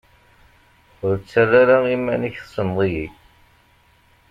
Ur ttarra ara iman-ik tessneḍ-iyi.